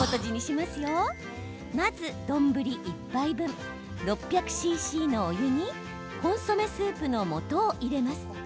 まず、丼１杯分６００ｃｃのお湯にコンソメスープのもとを入れます。